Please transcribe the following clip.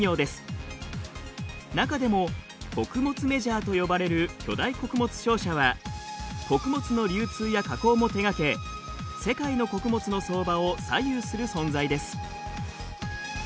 中でも穀物メジャーと呼ばれる巨大穀物商社は穀物の流通や加工も手がけ世界の穀物の相場を左右する存在です。